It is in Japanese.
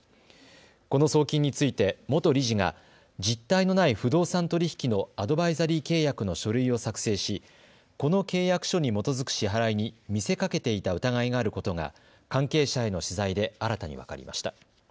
この送金について元理事が実態のない不動産取引のアドバイザリー契約の書類を作成しこの契約書に基づく支払いに、見せかけていた疑いがあることが関係者への取材で新たに分かりました。